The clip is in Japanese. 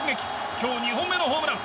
今日２本目のホームラン。